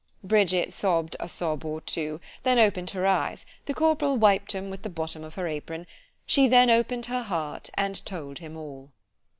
Bridget sobb'd a sob or two——then open'd her eyes——the corporal wiped 'em with the bottom of her apron——she then open'd her heart and told him all.